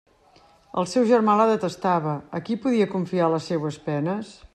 El seu germà la detestava; a qui podia confiar les seues penes?